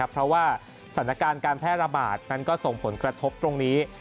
เพราะว่าสถานการณ์การแพร่ระบาดนั้นก็ส่งผลกระทบตรงนี้